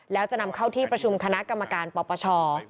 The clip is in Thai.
แล้วจะนำเข้าที่ประชุมคณะกรรมการปปช